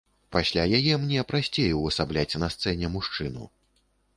Пасля яе мне прасцей увасабляць на сцэне мужчыну.